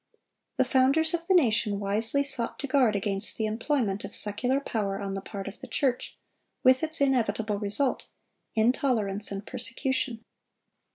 The founders of the nation wisely sought to guard against the employment of secular power on the part of the church, with its inevitable result—intolerance and persecution.